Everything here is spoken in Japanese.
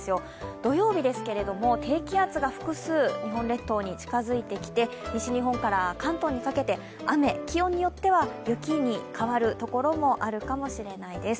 土曜日ですけれども低気圧が複数日本列島に近づいてきて西日本から関東にかけて雨、気温によっては雪に変わるところもあるかもしれないです。